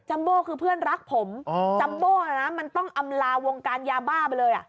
จัมโบ้คือเพื่อนรักผมอ๋อจัมโบ้อ่ะนะมันต้องอำราวงการยาบ้าไปเลยอ่ะ